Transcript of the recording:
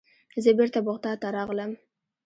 زه بیرته بغداد ته راغلم.